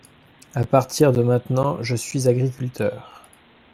À partir de maintenant, je suis agriculteur.